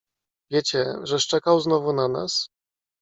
"Wiecie, że szczekał znowu na nas?"